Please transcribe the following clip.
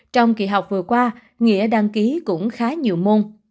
trong kỳ học vừa qua nghĩa đăng ký cũng khá nhiều môn